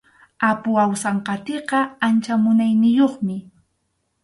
Apu Awsanqatiqa ancha munayniyuqmi.